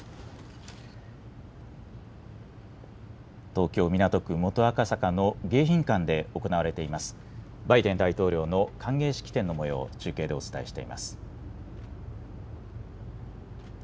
東京港区元赤坂の迎賓館で行われていますバイデン大統領の歓迎式典のもよう、中継でお伝えしています。